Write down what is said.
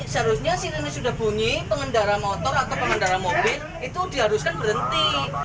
seharusnya sil ini sudah bunyi pengendara motor atau pengendara mobil itu diharuskan berhenti